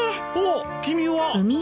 あっ君は！